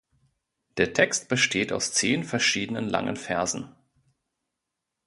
Der Text besteht aus zehn verschieden langen Versen.